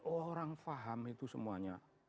orang faham itu semuanya